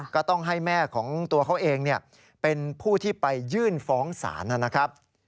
ก็ต้องให้แม่ของตัวเขาเองเป็นผู้ที่ไปยื่นฟ้องศาลนะครับ